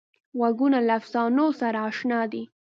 غوږونه له افسانو سره اشنا دي